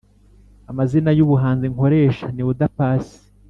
amazina y’ubuhanzi nkoresha ni oda paccy